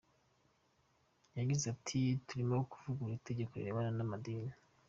Yagize ati “Turimo kuvugura itegeko rirebana n’ amadini.